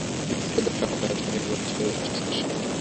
বিপ্রদাস কাউকে না জানিয়ে ঘোড়ায় চড়ে গেল স্টেশনে।